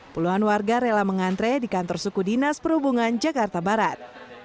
puluhan warga rela mengantre di kantor suku dinas perhubungan jakarta barat